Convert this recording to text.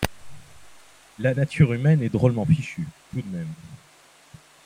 La nature humaine est drôlement fichue, tout de même.